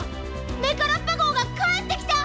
メカラッパ号がかえってきた！